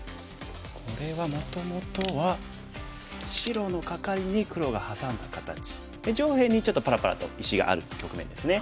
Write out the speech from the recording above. これはもともとは白のカカリに黒がハサんだ形。で上辺にちょっとぱらぱらと石がある局面ですね。